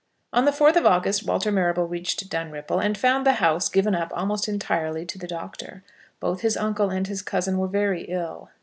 On the fourth of August Walter Marrable reached Dunripple, and found the house given up almost entirely to the doctor. Both his uncle and his cousin were very ill.